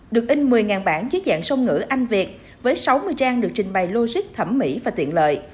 được in một mươi bản dưới dạng sông ngữ anh việt với sáu mươi trang được trình bày logic thẩm mỹ và tiện lợi